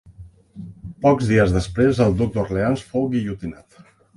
Pocs dies després, el duc d'Orleans fou guillotinat.